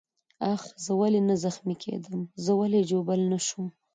آخ، زه ولې نه زخمي کېدم؟ زه ولې ژوبل نه شوم؟